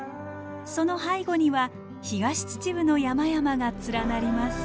その背後には東秩父の山々が連なります。